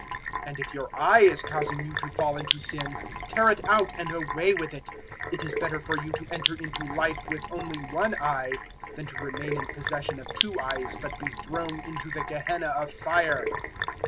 018:009 And if your eye is causing you to fall into sin, tear it out and away with it; it is better for you to enter into Life with only one eye, than to remain in possession of two eyes but be thrown into the Gehenna of fire.